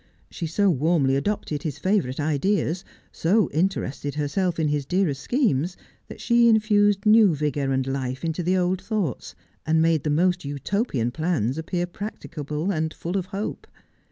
She so warmly adopted his favourite ideas, so interested herself in his dearest schemes, that she infused new vigour and life into the old thoughts, and made the most Utopian plans appear practicable and full of hope.